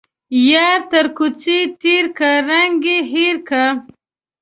يار تر کوڅه تيرکه ، رنگ يې هير که.